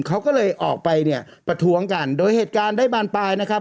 เขาก็เลยออกไปเนี่ยประท้วงกันโดยเหตุการณ์ได้บานปลายนะครับ